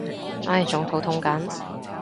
唉仲肚痛緊